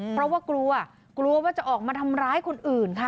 เพราะว่ากลัวกลัวว่าจะออกมาทำร้ายคนอื่นค่ะ